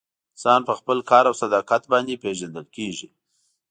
انسان په خپل کار او صداقت باندې پیژندل کیږي.